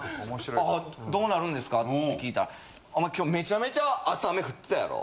あどうなるんですか？って聞いたらお前今日めちゃめちゃ朝雨降ってたやろ。